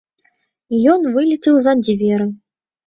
Ён вылецеў за дзверы.